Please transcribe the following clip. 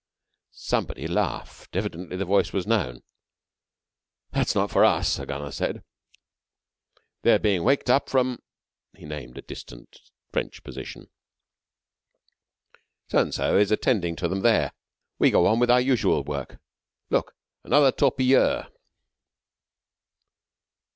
Somebody laughed. Evidently the voice was known. "That is not for us," a gunner said. "They are being waked up from " he named a distant French position. "So and so is attending to them there. We go on with our usual work. Look! Another torpilleur."